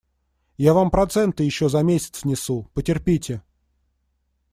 Я вам проценты еще за месяц внесу; потерпите.